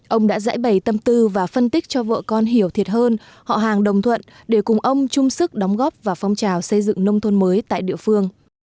ông đã giải bày tâm tư và phân tích cho vợ con hiểu thiệt hơn họ hàng đồng thuận để cùng ông chung sức đóng góp vào phong trào xây dựng nông thôn mới tại địa phương